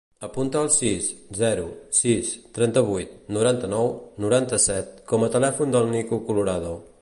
Apunta el sis, zero, sis, trenta-vuit, noranta-nou, noranta-set com a telèfon del Nico Colorado.